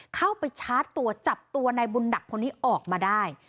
เข้าไปชาร์จตัวจับตัวในบุญดักคนนี้ออกมาได้